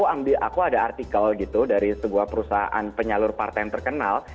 aku ada artikel gitu dari sebuah perusahaan penyalur partai yang terkenal